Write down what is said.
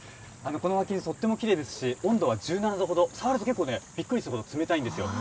この湧き水とってもきれいですし、温度は１７度ほど、触ると結構、びっくりするほど冷たいんですよ。